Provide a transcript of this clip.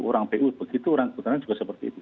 orang pu begitu orang juga seperti itu